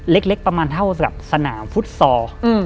เล็กประมาณเท่ากับสนามฟุตซอล